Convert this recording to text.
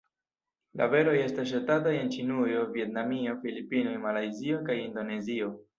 La beroj estas ŝatataj en Ĉinujo, Vjetnamio, Filipinoj, Malajzio kaj Indonezio.